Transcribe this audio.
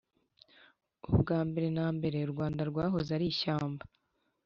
ubwa mbere na mbere, u rwanda rwahoze ari ishyamba